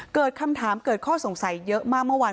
เกิดคำถามเกิดข้อสงสัยเยอะมากเมื่อวาน